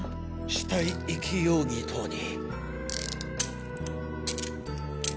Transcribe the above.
死体遺棄容疑等に。